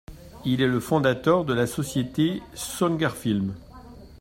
Il est le fondateur de la société Schongerfilm.